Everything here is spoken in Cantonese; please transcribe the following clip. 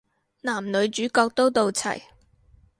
男女主角都到齊